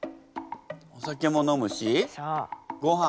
お酒も飲むしごはん。